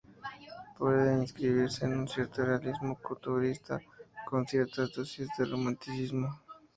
Puede inscribirse en un cierto realismo costumbrista con ciertas dosis de Romanticismo.